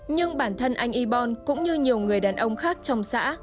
nhưng bản thân anh ebon cũng như nhiều người đàn ông khác trong xã